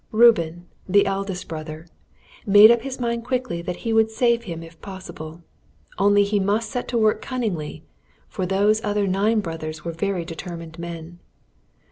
Reuben, the eldest brother, made up his mind quickly that he would save him if possible. Only he must set to work cunningly, for those other nine brothers were very determined men.